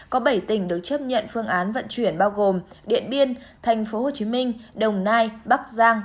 có bảy tỉnh được chấp nhận phương án vận chuyển bao gồm điện biên tp hcm đồng nai bắc giang